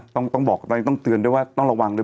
ต้องบอกตอนนี้ต้องเตือนด้วยว่าต้องระวังเลย